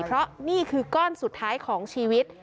เพราะนี่คือก้อนสุดท้ายของชีวิต